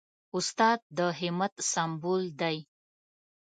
استاد د همت سمبول دی.